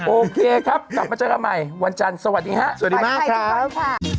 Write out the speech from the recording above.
โอเคครับกลับมาเจอกันใหม่วันจันทร์สวัสดีฮะสวัสดีมากครับ